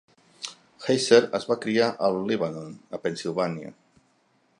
Heiser es va criar a Lebanon, a Pennsilvània.